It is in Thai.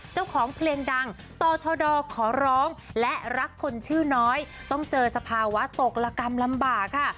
เจ้าของเพลงดังต่อชดขอร้องและรักคนชื่อน้อยต้องเจอสภาวะตกละกรรมลำบากค่ะ